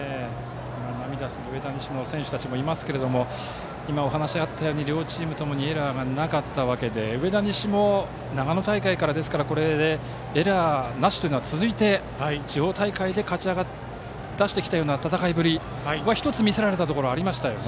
涙する上田西の選手たちもいますけれども今、お話があったように両チームとも無失策ということで上田西も、長野大会からエラーなしが続いて地方大会で勝ち上がってきたような戦いぶり１つ、見せられましたところはありましたよね。